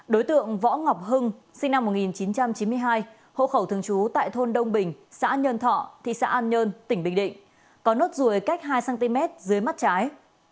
đối tượng võ ngọc hưng sinh năm một nghìn chín trăm chín mươi hai hộ khẩu thường trú tại thôn đông bình xã nhân thọ thị xã an nhơn tỉnh bình định có nốt ruồi cách hai cm dưới mặt trái